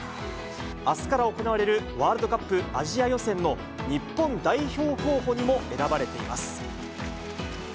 あすから行われるワールドカップアジア予選の日本代表候補にも選ばれています。